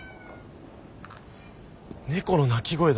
・猫の鳴き声だ。